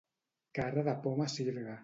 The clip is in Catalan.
Cara de poma sirga.